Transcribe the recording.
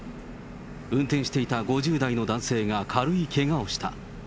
運転していた５０代の男性が軽いけがをした。